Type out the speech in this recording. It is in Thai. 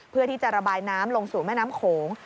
เพื่อที่จะระบายน้ำลงสู่แม่น้ำโขง